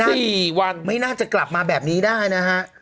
อายุ๘๒อะไม่น่าจะกลับมาแบบนี้ได้นะฮะ